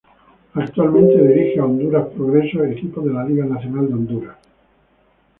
Actualmente dirige a Honduras Progreso, equipo de la Liga Nacional de Honduras.